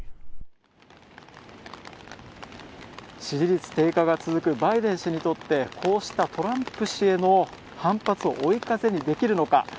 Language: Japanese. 支持率低下が続くバイデン氏にとってこうした、トランプ氏への反発を追い風にできるのか。